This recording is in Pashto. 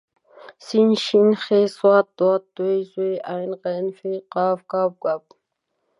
س ش ښ ص ض ط ظ ع غ ف ق ک ګ